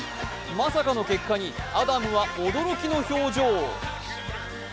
まさかの結果にアダムは驚きの表情。